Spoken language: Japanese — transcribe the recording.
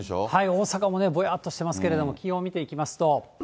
大阪もぼやっとしてますけれども、気温見ていきますと。